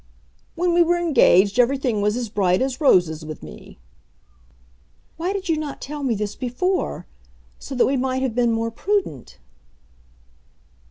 "When we were engaged everything was as bright as roses with me." "Why did you not tell me this before, so that we might have been more prudent?"